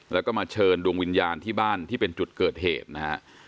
แล้วก็มาเชิญดวงวิญญาณที่บ้านที่เป็นจุดเกิดเหตุนะฮะ